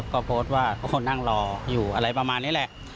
ก็โพสต์ว่าเขาคงนั่งรออยู่อะไรประมาณนี้แหละ